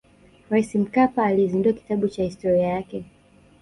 raisi mkapa alizindua kitabu cha historia yake